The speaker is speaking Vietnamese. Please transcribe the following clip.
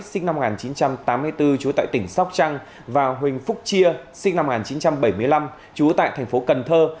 sinh năm một nghìn chín trăm tám mươi bốn trú tại tỉnh sóc trăng và huỳnh phúc chia sinh năm một nghìn chín trăm bảy mươi năm trú tại thành phố cần thơ